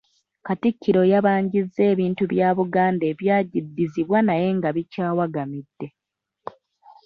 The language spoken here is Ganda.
Katikkiro yabanjizza ebintu bya Buganda ebyagiddizibwa naye nga bikyawagamidde.